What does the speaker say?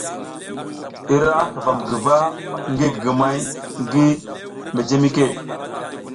I ra huvam guva ngi gigimay ngi mejemike.